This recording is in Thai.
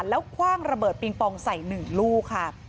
แล้วคว่างระเบิดปิงปองใส่๑ลูกค่ะ